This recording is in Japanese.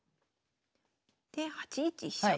で８一飛車。